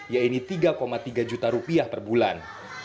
yaitu tiga tiga juta rupiah per bulan